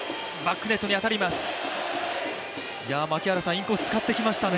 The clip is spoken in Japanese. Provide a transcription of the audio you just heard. インコース使ってきましたね。